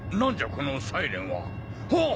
このサイレンは。あっ！